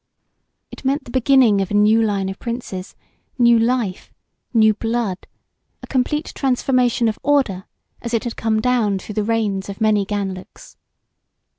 It meant the beginning of a new line of princes, new life, new blood, a complete transformation of order as it had come down through the reigns of many Ganlooks.